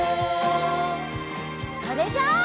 それじゃあ。